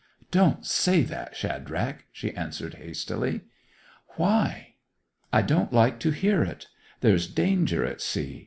'Don't say that, Shadrach,' she answered hastily. 'Why?' 'I don't like to hear it! There's danger at sea.